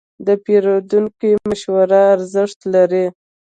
د پیرودونکي مشوره ارزښت لري.